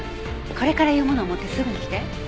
これから言う物を持ってすぐに来て。